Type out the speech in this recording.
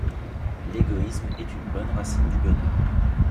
L’égoïsme est une bonne racine du bonheur.